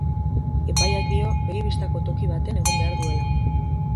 Epaiak dio begi-bistako toki batean egon behar duela.